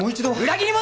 裏切り者！